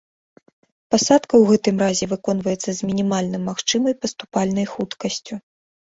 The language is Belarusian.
Пасадка ў гэтым разе выконваецца з мінімальна магчымай паступальнай хуткасцю.